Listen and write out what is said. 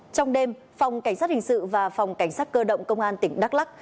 trong đêm phòng cảnh sát hình sự và phòng cảnh sát cơ động công an tỉnh đắk lắc